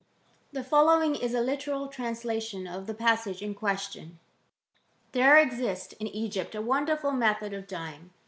The following ia a literal tniDsIation of the passage in question: •■ There exists in Egypt awonderful method of dyeing.